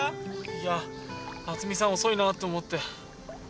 いやあつみさん遅いなあと思って。